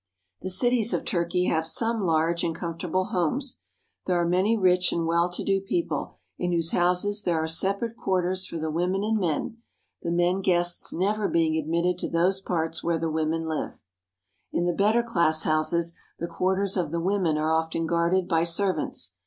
The cities of Turkey have some large and comfortable homes. There are many rich and well to do people in whose houses there are separate quarters for the women and men, the men guests never being admitted to those parts where the women live. In the better class houses the quarters of the women are often guarded by servants.